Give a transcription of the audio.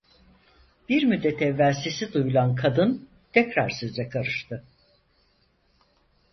Bir müddet evvel sesi duyulan kadın tekrar söze karıştı: